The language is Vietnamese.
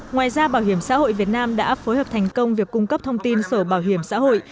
ngoài ra bảo hiểm xã hội việt nam đã phối hợp thành công việc cung cấp thông tin sổ bảo hiểm xã hội